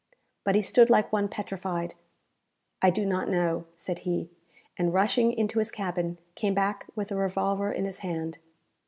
But he stood like one petrified. "I do not know," said he; and, rushing into his cabin, came back with a revolver in his hand.